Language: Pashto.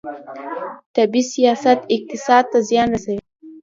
طبي سیاحت اقتصاد ته زیان دی.